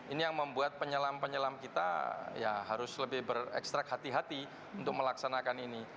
ini yang membuat penyelam penyelam kita ya harus lebih berekstrak hati hati untuk melaksanakan ini